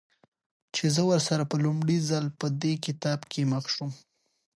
چې زه ورسره په لومړي ځل په دې کتاب کې مخ شوم.